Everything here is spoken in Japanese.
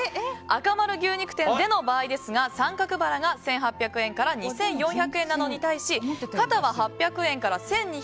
あかまる牛肉店での場合ですが三角バラが１８００円から２４００円なのに対し肩は、８００円から１２００円。